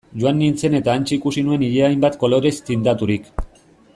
Joan nintzen eta hantxe ikusi nuen ilea hainbat kolorez tindaturik...